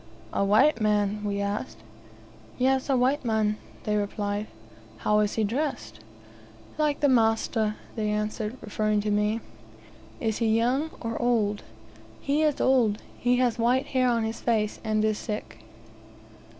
"A white man?" we asked. "Yes, a white man," they replied. "How is he dressed?" "Like the master," they answered, referring to me. "Is he young, or old?" "He is old. He has white hair on his face, and is sick."